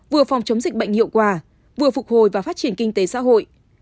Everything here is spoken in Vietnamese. vừa phòng chống dịch bệnh hiệu quả vừa phục hồi và phát triển kinh tế xã hội